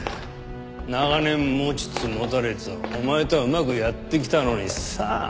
長年持ちつ持たれつお前とはうまくやってきたのにさ。